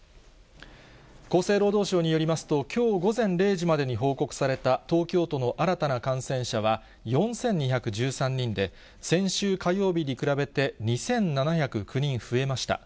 厚生労働省によりますと、きょう午前０時までに報告された東京都の新たな感染者は４２１３人で、先週火曜日に比べて２７０９人増えました。